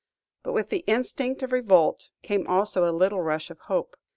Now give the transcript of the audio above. But with the instinct of revolt came also a little rush of hope.